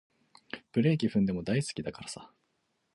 ブレーキ踏んでも大好きだからさ